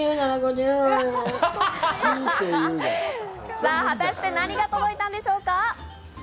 さぁ果たして何が届いたんでしょうか？